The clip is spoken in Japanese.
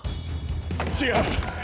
違う！！